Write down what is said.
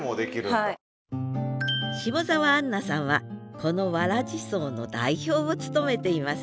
下沢杏奈さんはこのわらじ荘の代表を務めています